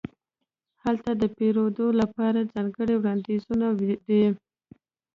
هلته د پیرود لپاره ځانګړې وړاندیزونه دي.